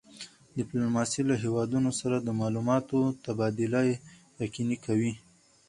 ډیپلوماسي له هېوادونو سره د معلوماتو تبادله یقیني کوي.